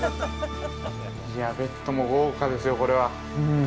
◆ベッドも豪華ですよ、これは。